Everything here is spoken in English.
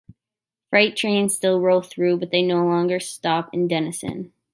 Freight trains still roll through, but they no longer stop in Dennison.